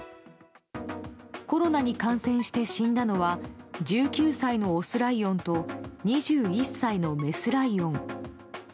コロナに感染して死んだのは１９歳のオスライオンと２１歳のメスライオン。